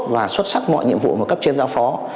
và xuất sắc mọi nhiệm vụ mà cấp trên giao phó